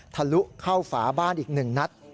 ทะลุเข้าฝาบ้านอีก๑นัด